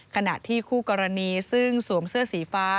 ขณะที่คู่กรณีซึ่งสวมเสื้อสีฟ้า